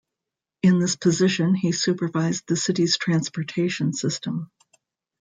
In this position he supervised the city's transportation system.